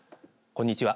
こんにちは。